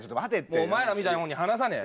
お前らみたいなもんに話さねえ。